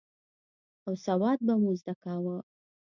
او سواد به مو زده کاوه.